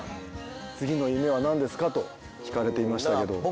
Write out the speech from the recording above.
次の夢は何ですか？と聞かれていましたけど。